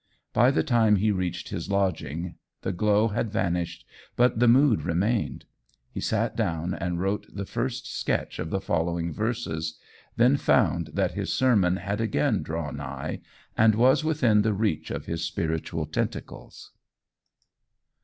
By the time he reached his lodging, the glow had vanished, but the mood remained. He sat down and wrote the first sketch of the following verses, then found that his sermon had again drawn nigh, and was within the reach of his spiritual tentacles.